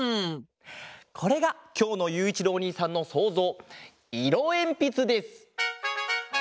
これがきょうのゆういちろうおにいさんのそうぞう「いろえんぴつ」です！